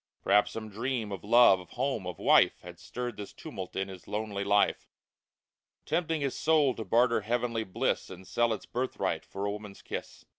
Perhaps some dream of love, of home, of wife, Had stirred this tumult in his lonely life, Tempting his soul to barter heavenly bliss, And sell its birthright for a woman's kiss